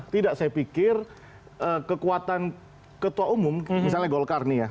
tidak saya pikir kekuatan ketua umum misalnya golkar nih ya